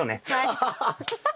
ハハハッ。